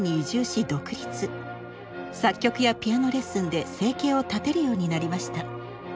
作曲やピアノレッスンで生計を立てるようになりました。